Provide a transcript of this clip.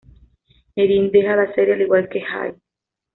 Erin deja la serie al igual que Jay.